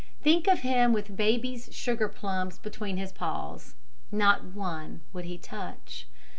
Think of him with baby's sugar plums between his paws not one would he touch.